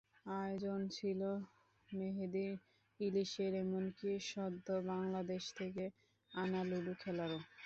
আয়োজন ছিল মেহেদির, ইলিশের, এমনকি সদ্য বাংলাদেশ থেকে আনা লুডু খেলারও।